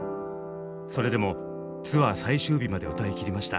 それでもツアー最終日まで歌いきりました。